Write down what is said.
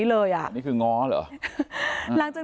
สวัสดีครับทุกคน